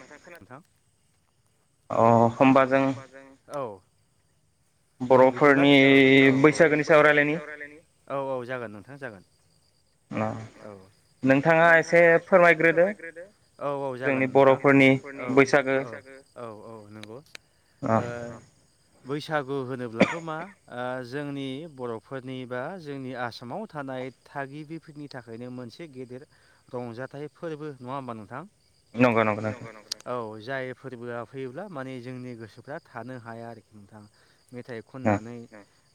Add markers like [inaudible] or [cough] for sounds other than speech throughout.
नोंथां खोनादों नोंथां अ होमबा जों जों बिदिब्ला बैसागोनि सावरायायनायनि औ औ जागोन नोंथां जागोन औ नोंथाङा एसे फोरमायग्रोदो औ औ जागोन नों बर'फोरनि औ बैसागो औ औ नंगौ ओ बैसागु होनोब्लाथ' मा ओ जोंनि बर'फोरनि बा जोंनि आसामाव थानाय हानाय थागिबिफोरनि थाखायनो मोनसे गेदेर रंजाथाइ फोरबो नङा होमबा नोंथां? नंगौ नंगौ औ जाय फोरबोया फैयोब्ला माने जोंनि गोसोफ्रा थानो हाया आरोखि नोंथाङा मेथाइ खननानै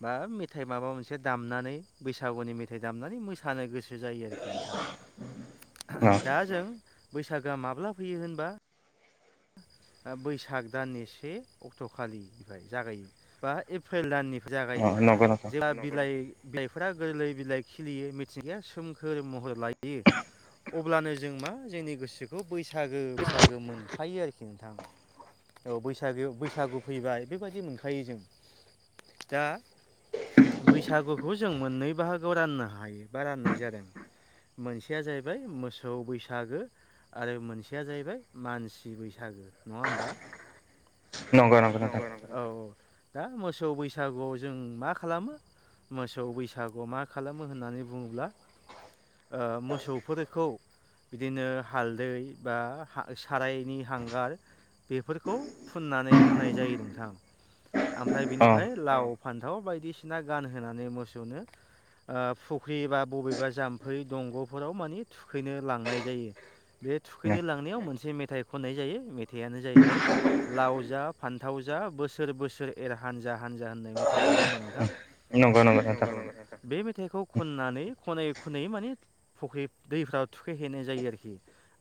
बा मेथाइ माबा मोनसे दामनानै बैसागुनि मेथाइ दामनानै मोसानो गोसो जायो आरोखि नोंथा दा जों बैसागोया माब्ला फै फैयो होनबा बैसाग दाननि से अक्ट'खालिनिफ्राय जागायो बा एप्रिल दाननिफ्राय जागायो जेब्ला बिलाइ बिलाइफोरा गोरलै बिलाइ खिलियो मिथिंगाया सोमखोर महर लायो अब्लानो जों मा जोंनि गोसोखौ बैसागो बैसागो मोनो खि नोंथां औ बैसाग बैसागु फैबाय बेबायदि मोनखायो जों दा बैसागुखौ जों मोननै बाहागो याव राननो हायो बा राननाय जादों मोनसेया जाहैबाय मोसौ बैसागो आरो मोनसेया जाहैबाय मानसि नि बैसागो नङा होमबां औ औ दा मोसौ बैसागुयाव जों मा खालामो मोसौ बैसागु मा खालामो होननानै बुङोब्ला ओ मोसौफोरखौ बिदिनो हालदै बा साराय नि हांगार बेफोरखौ फुननानै होनाय जायो नोंथां ओमफ्राय बेनिफ्राय लाव फानथाव बायदिसिना गानहोनानै मोसौनो ओ फुख्रि बा बबेबा जामफै दंग'फोराव माने थुखैनो लांनाय जायो बे थुखैनो लांनायाव मोनसे मेथाइ खननाय जायो मेथाइयानो जाहैबाय लाव जा फानथाव जा बोसोर बोसोर एर हानजा हानजा मोजाङैनो दे मेथाइ नङा होनबा नोंथां [unintelligible] बे मेथाइखौ खननानै खनै खनै माने फुख्रि दैफाव थुखैहैनाय जायो आरोखि।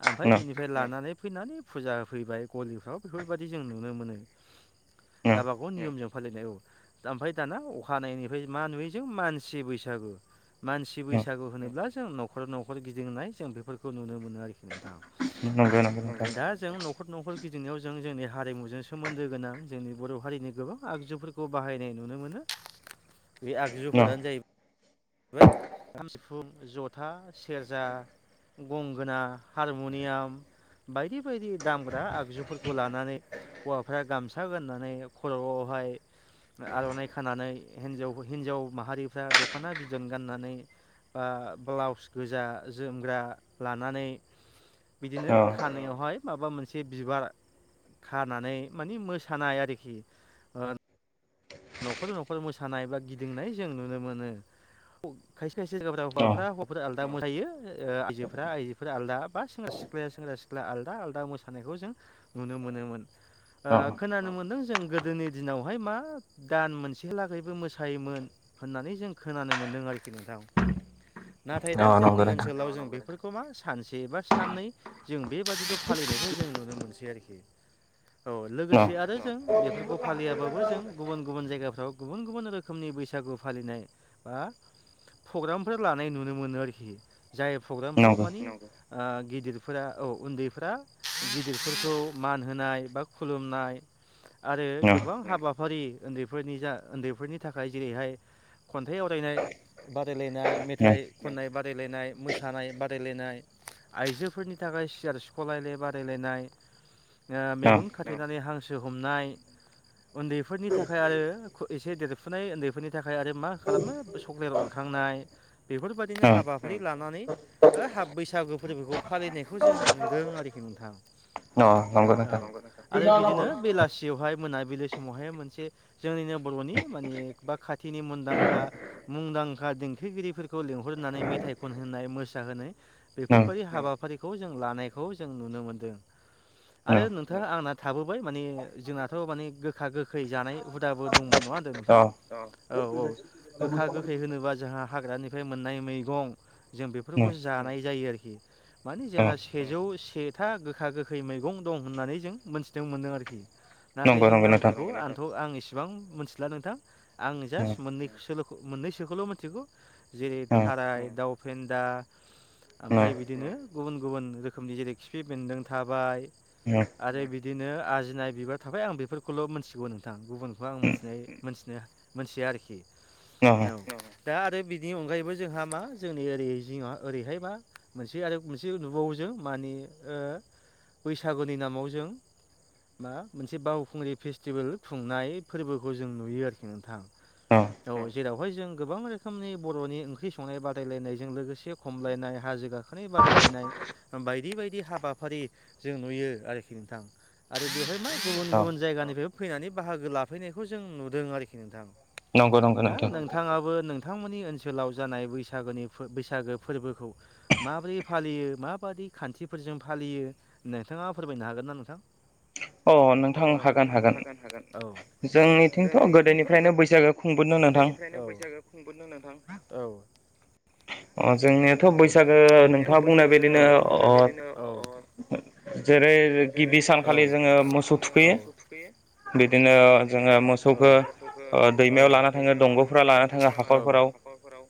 ओमफ्राय बिनिफ्राय लानानै फैनानै फुजा होफैबाय गलिफ्राव बेफोरबायदि जों नुनो मोनो गावबा गाव नियमजों फालिनाय औ ओमफ्राय दाना अखानायनिफ्राय मा नुयो जों मानसि बैसागु मानसि बैसागु होनोब्ला जों न'खर न'खर गिदिंनाय जों बेफोरखौ नुनो मोनो आरोखि नोंथां दा नखर न'खर गिदिंनायाव जों जोंनि हारिमुजों सोमोन्दो गोनां जोंनि बर' हारिनि गोबां आगजुफोरखौ बाहायनाय नुनो मोनो। [unintelligible] बे आगजुफोरानो जाहैबाय खाम सिफुं जथा सेरजा गंगोना हारमुनियाम बायदि बायदि दामग्रा आगजुफोरखौ लानानै हौवाफ्रा गामसा गाननानै खर'आवहाय आर'नाइ खानानै हिन्जाव हिन्जाव माहारिफ्रा दख'ना बिदन गाननानै बा ब्लाउस गोजा जोमग्रा लानानै बिदिनो खानायावहाय माबा मोनसे बिबार खानानै माने मोसानाय आरोखि न'खर न'खर मोसानाय बा गिदिंनाय जों नुनो मोनो। खायसे खायसे जायगाफोराव हौवाफ्रा हौवाफोर आलादा मोसायो। आयजोफोरा आइजोफोर आलादा बा सेंग्रा सि ख्लाया सेंग्रा सिख्ला आलादा आलादा मोसानायखौ जों नुनो मोनोमोन। ओ खोनानो मोनदों जों गोदोनि दिनावहाय मा दान मोनसेलागैबो मोसायोमोन होननानै जों खोनानो मोन्दों आरोखि नोंथां। [unintelligible] नाथाय दा जोंनि ओनसोलाव जों बेफोरखौ मा सानसे बा साननै जों बेबादिखौ फालिनायखौ जों नुनो मोनसै आरोखि। औ लोगोसे आरो जों बेफोरखौ फालियाबाबो जों गुबुन गुबुन जायगाफ्राव गुबुन गुबुन रोखोमनि बैसागु फालिनाय बा प्रग्रामफोर लानाय नुनो मोनो आरोखि जाय प्रग्रामफ्राव माने ओ गिदिरफोरा औ उन्दैफ्रा गिदिरफोरखौ मान होनाय बा खुलुमनाय [unintelligible] आरो गोबां हाबा फारि उन्दैफोरनि जा उन्दैफोरनि थाखाय जेरैहाय खन्थाइ आवरायनाय बादाय बादायलायनाय मेथाइ खननाय बादायलायनाय मोसानाय बादायलायनाय आइजोफोरनि थाखाय सियार सिख'लायनाय बादायलायनाय ओ मेगन खाथेनानै हांसो हमनाय उन्दैफोरनि थाखाय आरो खु एसे देरफुनाय उन्दैफोरनि थाखाय आरो मा खालामो सक्लेट अरखांनाय बेफोरबायदिनो हाबाफारि लानानै बैसागो फोरबोखौ फालिनायखौ जों नुदों। आरोखि नोंथां औ आरो बिदिनो बेलासियावहाय मोनाबिलि समावहाय मोनसे जोंनिनो बर'नि माने बा खाथिनि मुंदांखा मुंदांखा दि देंखोगिरिफोरखौ लिंहरनानै मेथाइ खनहोनाय मोसाहोनाय बेफोरबायदि हाबाफारिखौ जों लानायखौ खौ जों नुनो मोनदों आरो नोंथाङा आंना थाबोबाय माने जोंनाथ' माने गोखा गोखै जानाय हुदाबो दंमोन नङा होनदो नोंथां। औ औ गोखा गोखै होनोबा जोंहा हाग्रानिफ्राय मोननाय मैगं जों बेफोरखौ जा नाय जायो आरोखि माने जोंहा सेजौ सेथा गोखा गोखै मैगं दं होननानै जों मोनथिनो मोनो आरोखि। नंगौ नंगौ नोंथां। आंथ' आं इसेबां मिथिला नोंथां आं जास्ट मोननै सोल मोननैसोखौल' मिथिगौ। जेरै थाराय दाउ फेन्दा ओमफ्राय बिदिनो गुबुन गुबुन रोखोमनि जेरै खिफि बेन्दों थाबाय आरो बिदिनो आजिनाय बिबार थाबाय आं बेफोर खौल' मिथिगौ नोंथां गुबुनखौ आं मिथिनाय मोनथिनो मिथिया आरोखि। औ दा आरो बिनि अनगायैबो जोंहा मा जोंनि ओरै जिङा ओरैहाय मा मोनसे आरो मोनसे नुबावो जे मानि ओ बैसागुनि नामाव जों मा मोनसे बावखुंग्रि फेस्टिभेल खुंनाय फोरबोखौ जों नुयो आरोखि नोंथां। औ जेरावहाय जों गोबां रोखोमनि बर'नि ओंख्रि संनाय बादायलायनायजों लोगोसे खमलायनाय हा हाजो गाखोनाय बादायलायनाय बायदि बायदि हाबाफारि जों नुयो आरोखि नोंथां। आरो बेवहाय मा गुबुन गुबुन जायगानिफ्रायबो फैनानै बाहागो लाफैनायखौ जों नुदों आरोखि नोंथां। नोंथाङाबो नोंथांमोननि ओनसोलाव जानाय बैसागोनि बैसागो फोरबोखौ माबोरै फालियो माबादि खानथि फोरजों फालियो नोंथाङा फोरमायनो हागोन ना नोंथां? अ नोंथां हागोन हागोन जोंनिथिंथ' गोदोनिफ्रायनो बैसागो गोदोनिफ्रायनो बैसागो खुंबोदों नोंथां औ [inaudible] अ जोंनियाथ' बैसागो नोंथाङा बुंनाय बादिनो अ जेरै गिबि सानखालि जोङो मोसौ थुखैयो। बिदिनो जोङो मोसौखौ दैमायाव लाना दैमायाव लाना थाङो दंग'फोराव लाना थाङो हाखरफोराव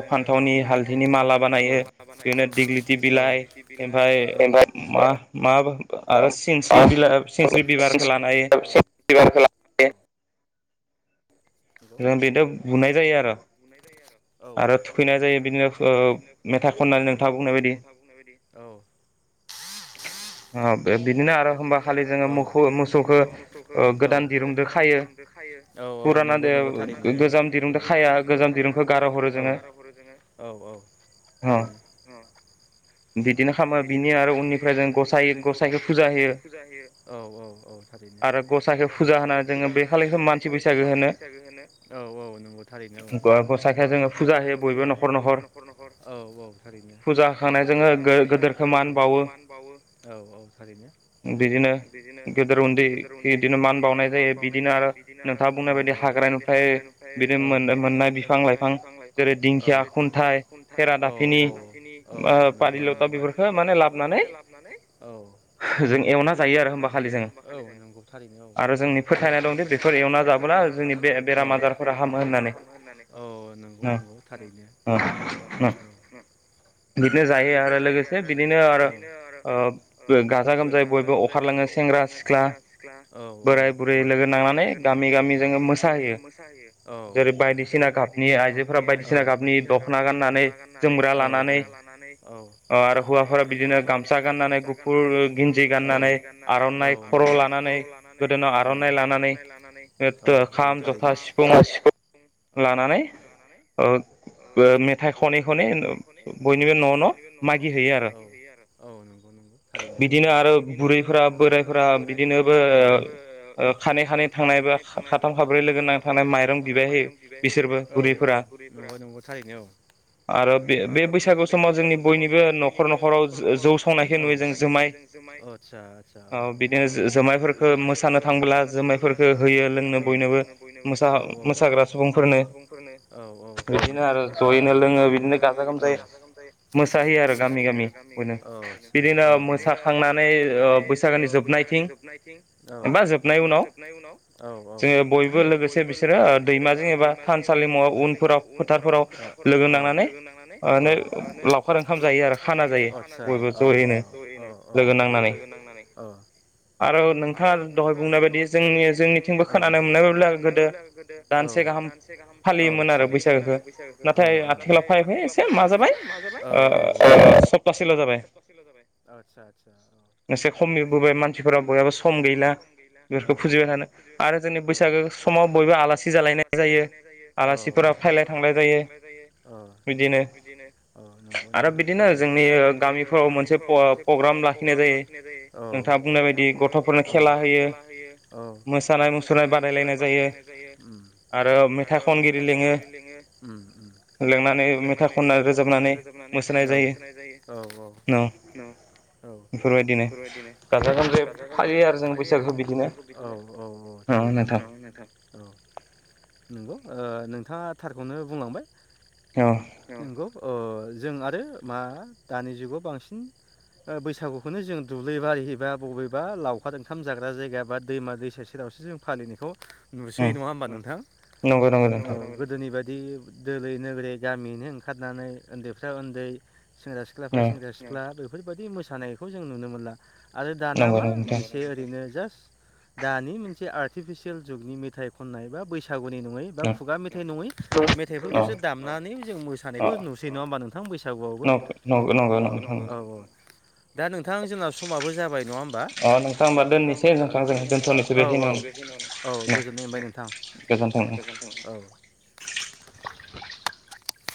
जोङो लाव फान्थावनि हालदिनि माला बानायो बेनो दिग्लिथि बिलाइ मा मा बो आरो सिनस्रि बिला सिनस्रि बिबारखौ लानायो। [unintelligible] बुनाय जायो आरो आरो थुखैनाय जायो बिदिनो मेथाइ खननानै नोंथाङा बुंनाय बायदि नोंथाङा बुंनाय बायदि [inaudible] बिदिनो आरो होमबा खालि जोङो मोखौ मोसौखौ गोदान दिरुंदो खायो। औ औ नंगौ। गोजाम दिरुंदो गोजाम दिरुंदो खाया गोजाम दिरुंखौ गारहरो जोङो। खायो अ बिदिनो खालामो बिनि आरो उननिफ्राय जों गसाय गसायैखौ फुजा होयो। गसाइखौ फुजा होनानै जोङो बे खालिखो मानसि बैसागो होनो। औ औ नंगौ थारैनो औ गसाइखौ जोङो फुजा होयो बयबो न'खर न'खर होखांनायजों गोद जोङो गोदोरखौ मान बावो। बिदिनो गेदेर उनदै बिदिनो मान बावनाय जायो बिदिनो आरो नोंथाङा बुंनाय बायदि बुंनाय बायदि हाग्रानिंफ्राय बिदि मोननाय बिफां लाइफां जेरै दिंखिया खुन्थाइ खेरादाफिनि पाति लथा बेफोरखौ माने लाबानै जों एवना जायो आरो होमबाखालि आरो जोंनि फोथायनाय दंदि बेफोर एवना जाबा बेराम आजार हामो होननानै। [unintelligible] बिदिनो जायो बिदिनो जायो आरो लोगोसे बिदिनो आरो गाजा गोमजायै बयबो अखारलाङो सेंग्रा सिख्ला बोराय बुरै लोगो नांनानै गाम गामि जों मोसा हैयो जेरै बायदिसिना गाबनि आइजोफ्रा बायदिसिना गाबनि दख'ना गाननानै जोमग्रा लानानै आरो हौवाफोरा बिदिनो गामसा गाननानै गुफुर गिन्जि गाननानै आर'नाइ खर' लाना खर' लानानै गोदोनायाव आर'नाइ लानानै लानानै मेथाइ खनै खनै बयनिबो न' न' माइ यो आरो औ नंगौ नगौ थारैनो बिदिनो आरो बुरैफोरा बोरायफोरा खानै खानै थांनाय बा साथाम खाब्रै लोगो नांना थांना माइरं बिबायहैयो बिसोरबो बुरैफोरा आरो बे बे बैसागु समाव जोंनि बयनिबो बयनिबो न'खर न'खराव ज' संनायखौ नुयो जों जुमाय औ बिदिनो मोसानो थांबोला जोमायफोरखौ हो होयो लोंनो बयनोबो मोसाग्रा सुबुंफोरनो औ औ थारैनो बिदिनो लोङो बिदिनो गाजा गोमजायै मोसा आरो गामि गामि बिदिनो मोसाखांनानै ओ बैसागोनि जोबनायथिं हबा जोबनाय उनाव जोङो बयबो लोगोसे बिसोरो ओ दैमाजों एबा थानसालिमाव उनफोराव फोथारफोराव फोराव ओ लोगो नांनानै ओ [unintelligible] लावखार ओंखाम जायो आरो खाना जायो लोगो नांनानै आरो नोंथाङा दहाय बुंनाय बायदि जोंनि जोंनि जोंनि जोंनिथिंबो खोनानो मोननाय बायदिब्ला गोदो औ दानसे गाहाम सोलियोमोन आरो बैसागोखौ फाय आथिखालाव फायै फायै एसे मा जाबाय ओ ओ सप्तासेल' जाबाय। आदसा आदसा औ एसे खमनिबोबाय मानसिफोरा बयहाबो सम गैला औ औ फ आरो जोंनि बैसागो समाव बयबो आलासि जालायनाय जायो आलासिफोरा फैलाय खांलाय जायो। बिदिनो औ नंगौ बिदिनो आरो बिदिनो जोंनि गामिफ्राव मोनसे पर प्रग्राम लाखिनाय जायो। नोंथाङा बुंनाय बायदि गथ'फोरनो खेला होयो। मोसानाय मुसुरनाय बादायलायनाय जायो आरो मेथाइ खनगिरि लिङो लेंनानै मेथाइ खनना रोजाबनानै नै मोसानाय जायो औ औ औ औ बेफोरबायदिनो गाजा गोमजायै फालियो आरो जों बैसागोखौ थारैनो औ नोंथां औ नोंगौ ओ नोंथाङा थारखौनो बुंलांबाय नंगौ ओ जों आरो मा दानि जुगाव बांसिन ओ बैसागुखौनो जों दुबलि बारिहैबा बबेबा लावखार ओंखाम जाग्रा जायगा बा दैमा-दैसा सेराव फालिनायखौ नुसै नङा होमबा नोंथां ओ गोदोनि बायदि बिदि दोलै नोगोरै गामियैनो ओंखारनानै ओनदैफ्रा ओनदै सेंग्रा सिख्लाफ्रा सेंग्रा सिख्ला बेफोरबायदि मोसानायखौ जों नुनो मोनला। आरो दाना मा मोनसे ओरैनो जास्ट दानि मोनसे आर्टिफिसियेल जुगनि मेथाइ खननाय बा बैसागु बैसागुनि नङै बा खुगा मेथाइ नङै मेथाइफोरखौसो दामनानै जों मोसानायखौ नुसै नङा होमबा नों थां बैसागुआवबो औ औ औ दा नोंथां जोंङा समाबो जाबाय नङा होमबा अ नोंथा ओमबा दोननिसै औ औ औ गोजोननाय मोनबाय नोंथां गोजोनथों औ